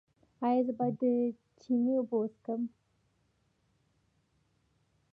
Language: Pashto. ایا زه باید د چینې اوبه وڅښم؟